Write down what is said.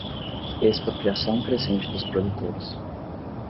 expropriação crescente dos produtores